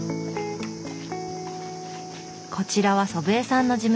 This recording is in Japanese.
こちらは祖父江さんの事務所。